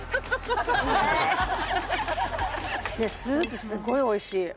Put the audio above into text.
スープすごいおいしい。